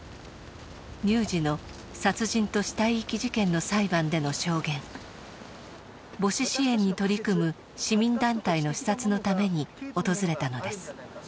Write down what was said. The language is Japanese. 乳児の殺人と死体遺棄事件の裁判での証言母子支援に取り組む市民団体の視察のために訪れたのです。